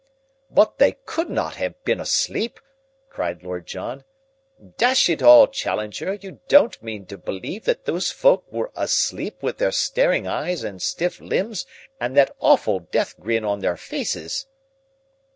"But they could not have been asleep!" cried Lord John. "Dash it all, Challenger, you don't mean to believe that those folk were asleep with their staring eyes and stiff limbs and that awful death grin on their faces!"